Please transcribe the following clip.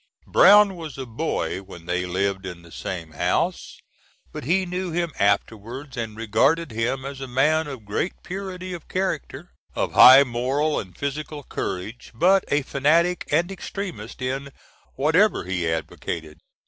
Brown was a boy when they lived in the same house, but he knew him afterwards, and regarded him as a man of great purity of character, of high moral and physical courage, but a fanatic and extremist in whatever he advocated.